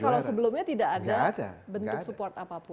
kalau sebelumnya tidak ada bentuk support apapun